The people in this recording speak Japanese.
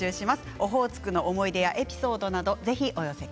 オホーツクの思い出やエピソード